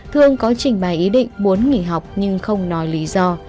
thương có trình bày ý định muốn nghỉ học nhưng không nói lý do